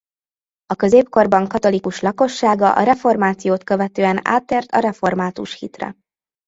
A középkorban katolikus lakossága a reformációt követően áttért a református hitre.